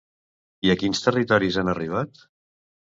I a quins territoris han arribat?